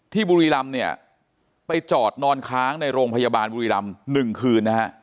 บุรีรำเนี่ยไปจอดนอนค้างในโรงพยาบาลบุรีรำ๑คืนนะฮะ